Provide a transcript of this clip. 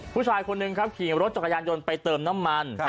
ผู้ชายคนหนึ่งครับขี่รถจักรยานยนต์ไปเติมน้ำมัน